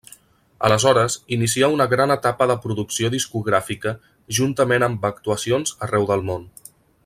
Aleshores inicià una gran etapa de producció discogràfica juntament amb actuacions arreu del món.